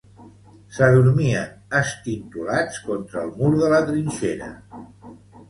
S'adormien estintolats contra el mur de la trinxera.